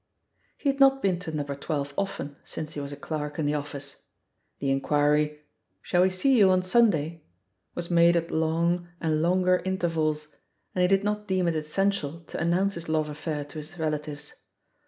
He had not been to No. 12 often since he was a clerk in the oflSce — ^the inquiry, "Shall we see you on Sunday?" was made at long, and longer intervals— and he did not deem it essential to announce his love affair to his relatives.